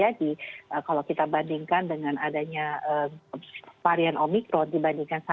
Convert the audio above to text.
jadi kalau kita bandingkan dengan adanya varian omikron